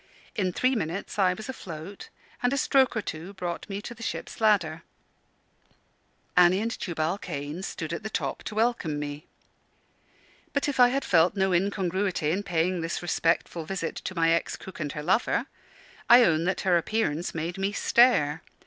In three minutes I was afloat, and a stroke or two brought me to the ship's ladder. Annie and Tubal Cain stood at the top to welcome me. But if I had felt no incongruity in paying this respectful visit to my ex cook and her lover, I own that her appearance made me stare.